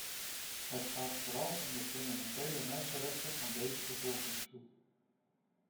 Het gaat vooral om de fundamentele mensenrechten van deze bevolkingsgroep.